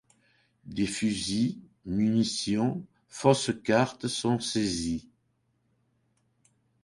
Des fusils, munitions, fausses cartes sont saisis.